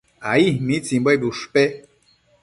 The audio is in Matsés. Ai. ¿mitsimbuebi ushpe?